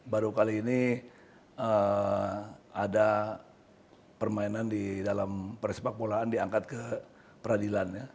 baru kali ini ada permainan di dalam persepak bolaan diangkat ke peradilan